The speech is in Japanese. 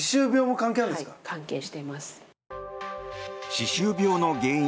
歯周病の原因